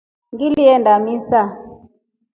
Ngilinda misa.